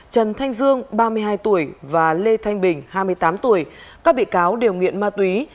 trần thanh dương ba mươi hai tuổi và lê thanh bình hai mươi tám tuổi các bị cáo đều nghiện ma túy